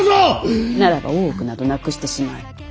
ならば大奥などなくしてしまえ。